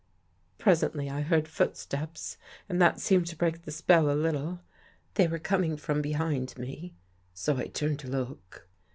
" Presently I heard footsteps and that seemed to break the spell a little. They were coming from behind me, so I turned to look.